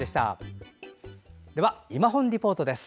では「いまほんリポート」です。